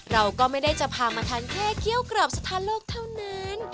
เราก็จะไม่ได้ทางมาทำแค่เกี้ยวกรอบสธาลกเท่านั้น